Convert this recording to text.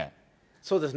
そうですね。